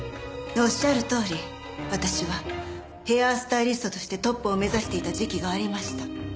仰るとおり私はヘアスタイリストとしてトップを目指していた時期がありました。